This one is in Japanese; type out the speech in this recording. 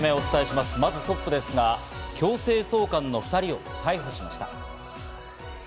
まずトップですが、強制送還の２人を逮捕しました。